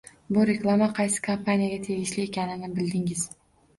Bu reklama qaysi kompaniyaga tegishli ekanini bildingiz.